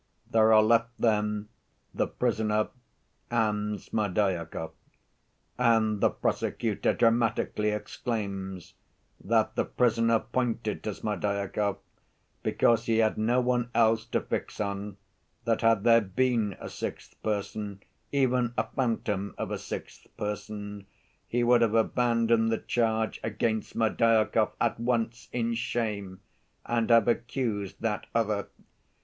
There are left then the prisoner and Smerdyakov, and the prosecutor dramatically exclaims that the prisoner pointed to Smerdyakov because he had no one else to fix on, that had there been a sixth person, even a phantom of a sixth person, he would have abandoned the charge against Smerdyakov at once in shame and have accused that other.